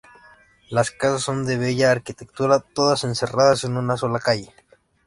Las casas son de bella arquitectura, todas "encerradas" en una sola calle.